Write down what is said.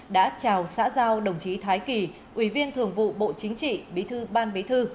đã chào xã giao đồng chí thái kỳ ủy viên thường vụ bộ chính trị bí thư ban bí thư